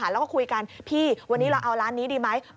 แล้วก็คุยกันพี่วันนี้เราเอาร้านนี้ดีไหม